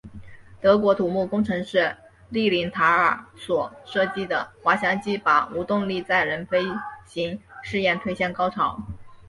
德国土木工程师利林塔尔所设计的滑翔机把无动力载人飞行试验推向高潮。